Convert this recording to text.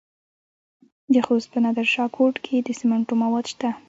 د خوست په نادر شاه کوټ کې د سمنټو مواد شته.